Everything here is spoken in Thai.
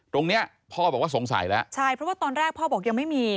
ตรงเนี้ยพ่อบอกว่าสงสัยแล้วใช่เพราะว่าตอนแรกพ่อบอกยังไม่มี